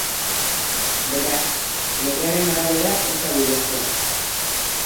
Beraz, legearen arabera ez da bidezkoa.